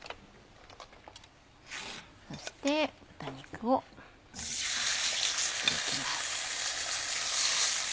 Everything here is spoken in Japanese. そして豚肉を入れていきます。